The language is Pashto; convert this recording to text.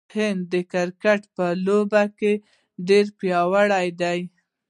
هند د کرکټ په لوبه کې ډیر پیاوړی دی.